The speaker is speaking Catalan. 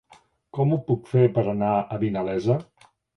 Com ho puc fer per anar a Vinalesa?